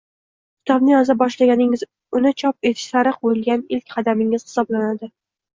Kitobni yoza boshlaganingiz uni chop etish sari qo’yilgan ilk qadamingiz hisoblanadi